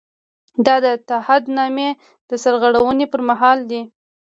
دا د تعهد نامې د سرغړونې پر مهال دی.